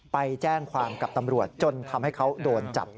ไปแจ้งความกับตำรวจจนทำให้เขาโดนจับ